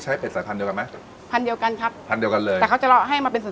หน้าอกไม่ยุบไม่มีรอยช้ำ